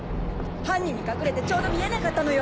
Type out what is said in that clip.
犯人に隠れてちょうど見えなかったのよ。